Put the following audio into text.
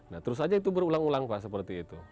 nah terus aja itu berulang ulang pak seperti itu